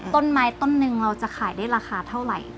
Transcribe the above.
ต้นไม้ต้นหนึ่งเราจะขายได้ราคาเท่าไหร่